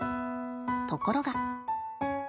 ところが。